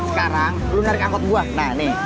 sekarang lu narik angkot gua